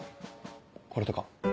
これとか。